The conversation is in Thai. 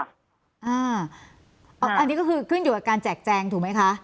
อันนี้ก็คือขึ้นอยู่กับการแจกแจงถูกไหมคะ